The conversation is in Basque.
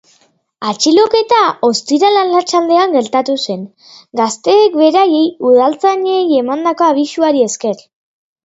Atxiloketa ostiral arratsaldean gertatu zen, gazteek beraiek udaltzainei emandako abisuari esker.